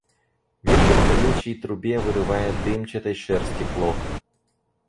Ветер колючий трубе вырывает дымчатой шерсти клок.